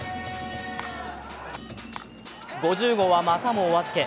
５０号はまたもお預け。